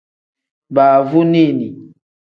Baavunini.